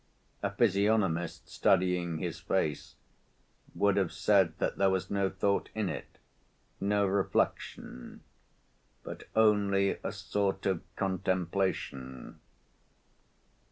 A physiognomist studying his face would have said that there was no thought in it, no reflection, but only a sort of contemplation.